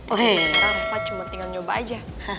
jadi sekarang reva cuma tinggal nyoba aja